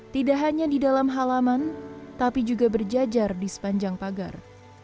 tidak hanya di dalam halaman tapi juga berjajar di sepanjang pagar